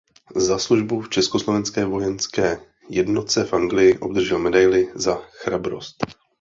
Za službu v československé vojenské jednotce v Anglii obdržel Medaili Za chrabrost.